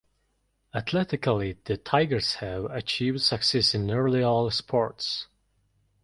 Athletically the Tigers have achieved success in nearly all sports.